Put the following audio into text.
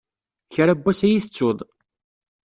Kra n wass ad iyi-tettuḍ.